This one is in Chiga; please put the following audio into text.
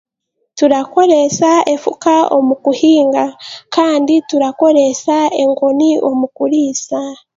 Turakoreesa efuka omu kuhinga. Kandi turakoreesa enkoni omu kuriisa.